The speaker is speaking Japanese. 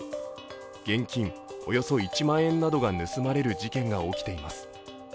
現金およそ１万円などが盗まれる事件が起きています。